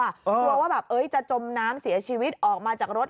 กลัวว่าแบบจะจมน้ำเสียชีวิตออกมาจากรถ